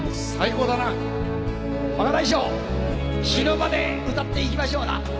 若大将死ぬまで歌っていきましょうな。